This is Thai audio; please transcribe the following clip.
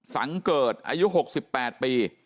สังเกิดอายุ๖๘ปี